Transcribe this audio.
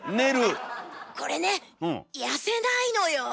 これね痩せないのよ。